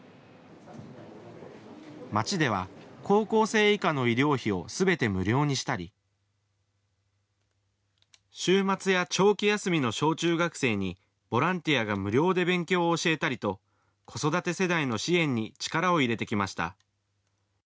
町では、高校生以下の医療費をすべて無料にしたり週末や長期休みの小中学生にボランティアが無料で勉強を教えたりと子育て世代の支援に力を入れてきました。